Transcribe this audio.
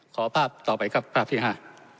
ขอภาพต่อไปครับภาพที่ห้า